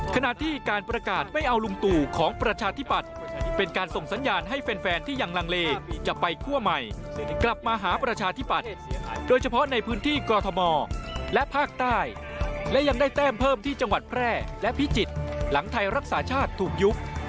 ขณะที่การประกาศไม่เอาลุงตู่ของประชาธิปัตย์เป็นการส่งสัญญาณให้แฟนที่ยังลังเลจะไปคั่วใหม่กลับมาหาประชาธิปัตย์โดยเฉพาะในพื้นที่กอทมและภาคใต้และยังได้แต้มเพิ่มที่จังหวัดแพร่และพิจิตรหลังไทยรักษาชาติถูกยุบ